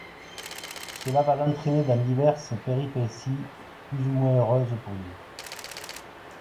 Cela va l'entraîner dans diverses péripéties, plus ou moins heureuses pour lui...